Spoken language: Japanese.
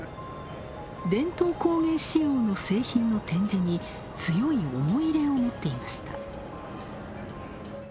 伝統工芸仕様の製品の展示に強い思い入れを持っていました。